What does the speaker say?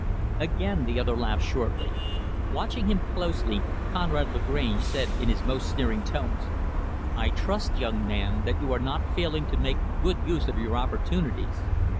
Again, the other laughed shortly. Watching him closely, Conrad Lagrange said, in his most sneering tones, "I trust, young man, that you are not failing to make good use of your opportunities.